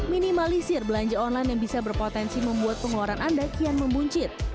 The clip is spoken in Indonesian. minimalisir belanja online yang bisa berpotensi membuat pengeluaran anda kian membuncit